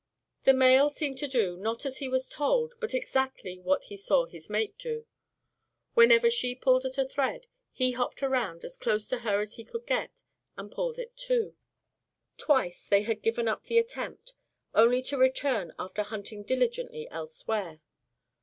The male seemed to do, not as he was told, but exactly what he saw his mate do. Whenever she pulled at a thread, he hopped around, as close to her as he could get, and pulled too. Twice they had given up the attempt, only to return after hunting diligently elsewhere.